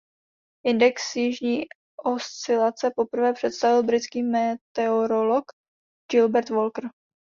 Index jižní oscilace poprvé představil britský meteorolog Gilbert Walker.